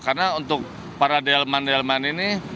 karena untuk para delman delman ini